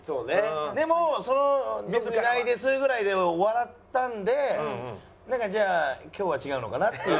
でも「特にないです」ぐらいで終わったのでなんかじゃあ今日は違うのかなっていう。